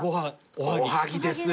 おはぎですよ